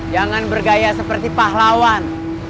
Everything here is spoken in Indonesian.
jangan bergaya seperti pahlawan